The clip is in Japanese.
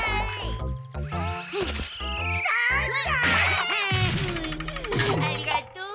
ありがとう。